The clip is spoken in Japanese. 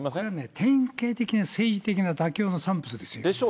典型的な政治的な妥協の産物ですよ。